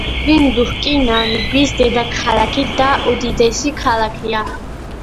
ვინდჰუკი, ნამიბიის დედაქალაქი და უდიდესი ქალაქია.